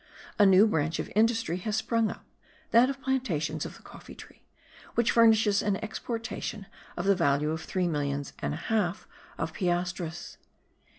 A new branch of industry has sprung up (that of plantations of the coffee tree) which furnishes an exportation of the value of three millions and a half of piastres.